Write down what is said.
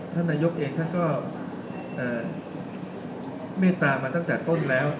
ท่านนายกเองท่านก็เมตตามาตั้งแต่ต้นแล้ว